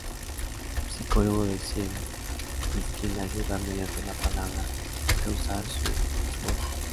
Psicólogo de Cielo, es quien la ayuda -mediante la palabra- a encauzar su desborde.